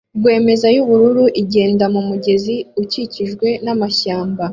RWAMEZA yubururu igenda mumugezi ukikijwe namashyamba